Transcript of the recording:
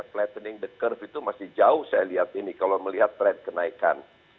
plattening the curve itu masih jauh saya lihat ini kalau melihat tren kenaikan